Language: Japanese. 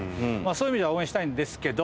そういう意味では応援したいんですけど。